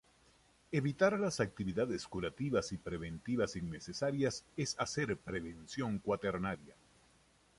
Evitar las actividades curativas y preventivas innecesarias es hacer prevención cuaternaria.